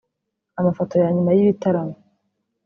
Amafoto ya nyuma y'ibitaramo